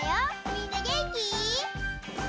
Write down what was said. みんなげんき？